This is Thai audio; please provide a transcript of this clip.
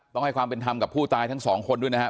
ต้องให้ความเป็นธรรมกับผู้ตายทั้งสองคนด้วยนะครับ